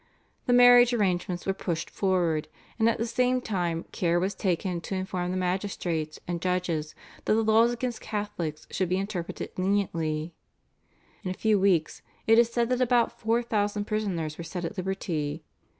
The marriage arrangements were pushed forward, and at the same time care was taken to inform the magistrates and judges that the laws against Catholics should be interpreted leniently. In a few weeks, it is said that about four thousand prisoners were set at liberty.